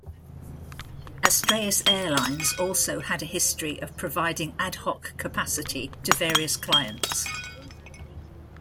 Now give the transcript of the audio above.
Astraeus Airlines also had a history of providing ad-hoc capacity to various clients.